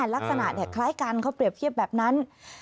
ลักษณะคล้ายกันเขาเปรียบเทียบแบบนั้น